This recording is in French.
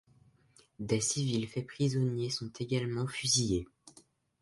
Des civils faits prisonniers sont également fusillés.